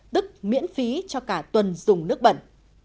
tức miễn phí cho cả tuần dùng nước bẩn